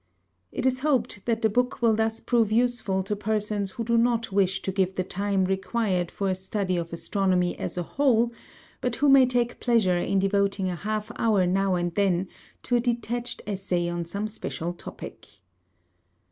It is hoped that the book will thus prove useful to persons who do not wish to give the time required for a study of astronomy as a whole, but who may take pleasure in devoting a half hour now and then to a detached essay on some special topic.